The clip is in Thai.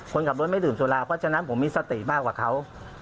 คนขับรถไม่ดื่มสุราเพราะฉะนั้นผมมีสติมากกว่าเขา